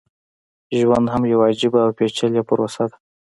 ژوند هم يوه عجيبه او پېچلې پروسه ده.